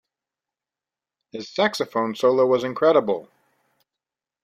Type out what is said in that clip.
His saxophone solo was incredible.